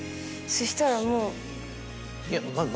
そしたらもう。